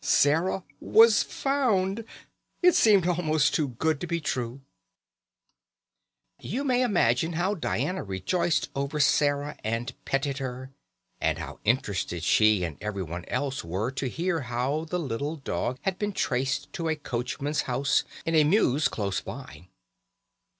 Sarah was found! It seemed almost too good to be true. You may imagine how Diana rejoiced over Sarah and petted her, and how interested she and everyone else were to hear how the little dog had been traced to a coachman's house in a mews close by.